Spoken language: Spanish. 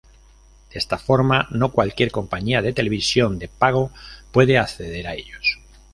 De esta forma, no cualquier compañía de televisión de pago puede acceder a ellos.